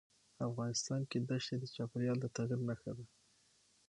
افغانستان کې دښتې د چاپېریال د تغیر نښه ده.